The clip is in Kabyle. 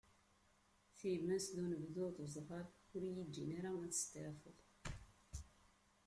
Times d unebdu d uzeɣal ur yi-ǧǧin ara ad steɛfuɣ.